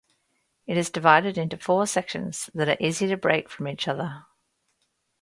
It is divided into four sections that are easy to break from each other.